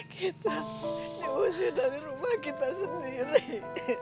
kita nyusi dari rumah kita sendiri